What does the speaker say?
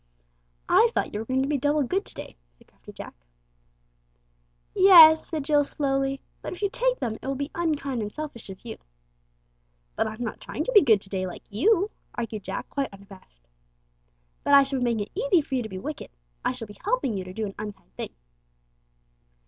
"I thought you were going to be double good to day," said crafty Jack. "Yes," said Jill slowly; "but if you take them it will be unkind and selfish of you." "But I'm not trying to be good to day like you," argued Jack, quite unabashed. "But I shall be making it easy for you to be wicked; I shall be helping you to do an unkind thing."